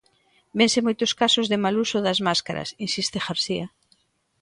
Vense moitos casos de mal uso das máscaras, insiste García.